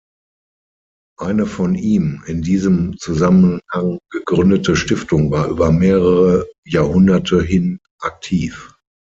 Eine von ihm in diesem Zusammenhang gegründete Stiftung war über mehrere Jahrhunderte hin aktiv.